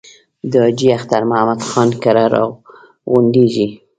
د حاجي اختر محمد خان کره را غونډېږي.